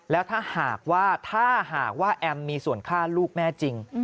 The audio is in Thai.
แล้วถ้าหากว่าถ้าหากว่าแอมมีส่วนฆ่าลูกแม่จริง